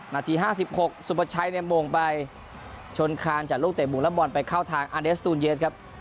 นาที๕๖สุมภัทรชัยในโมงไปชนคารจัดลูกเตะหมุนรับบอลไปเข้าทางอเดสตูนเย็ดครับ